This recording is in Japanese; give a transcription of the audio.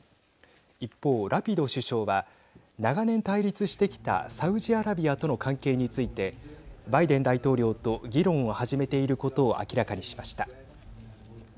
一方、ラピド首相は長年、対立してきたサウジアラビアとの関係についてバイデン大統領と議論を始めていることを明らかにしました。